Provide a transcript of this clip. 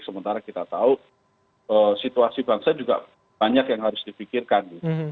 sementara kita tahu situasi bangsa juga banyak yang harus dipikirkan